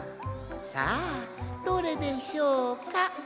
さあどれでしょうか？